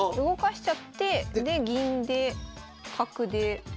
動かしちゃってで銀で角で。